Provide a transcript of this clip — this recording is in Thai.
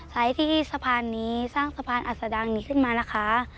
ใช้ที่สะพานนี้สร้างสะพานอัศดังนี้ขึ้นมานะคะ